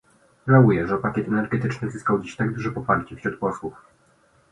Żałuję, że pakiet energetyczny zyskał dziś tak duże poparcie wśród posłów